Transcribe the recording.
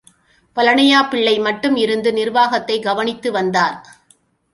பழனியாப்பிள்ளை மட்டுமே இருந்து நிர்வாகத்தைக் கவனித்து வந்தார்.